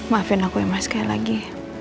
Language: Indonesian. maafin aku ya mas sekali lagi